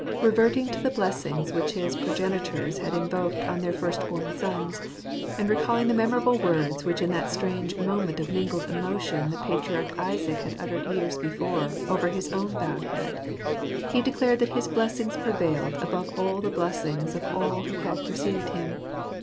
Reverting to the blessings which his progenitors had invoked on their first born sons, and recalling the memorable words which in that strange moment of mingled emotion the patriarch Isaac had uttered years before over his own bowed head, he declared that his blessings prevailed above the blessings of all who had preceded him.